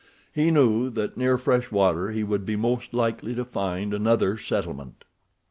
He knew that near fresh water he would be most likely to find another settlement.